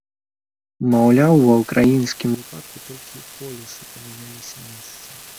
Маўляў, ва ўкраінскім выпадку толькі полюсы памяняліся месцамі.